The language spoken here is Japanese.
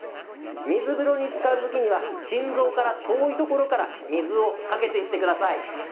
水風呂につかるときには、心臓から遠いところから水をかけていってください。